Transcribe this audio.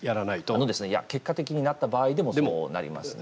いや結果的になった場合でもそうなりますね。